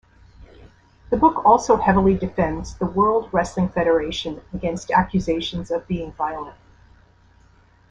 The book also heavily defends the World Wrestling Federation against accusations of being violent.